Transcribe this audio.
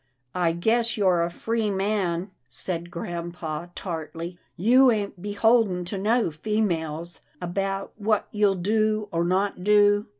" I guess you're a free man," said grampa, tartly, " you ain't beholden to no females, about what you'll do, or not do."